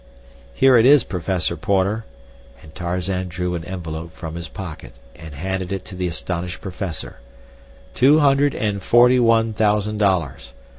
"Here it is, Professor Porter," and Tarzan drew an envelope from his pocket and handed it to the astonished professor, "two hundred and forty one thousand dollars.